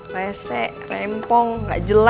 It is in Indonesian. rese rempong gak jelas lagi